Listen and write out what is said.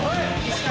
石川。